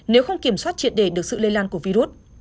nếu không kiểm soát triệt đề được sự lây lan của virus